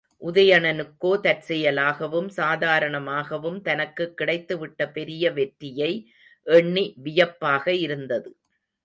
உதயணனுக்கோ தற்செயலாகவும் சாதாரணமாகவும் தனக்குக் கிடைத்துவிட்ட பெரிய வெற்றியை எண்ணி வியப்பாக இருந்தது.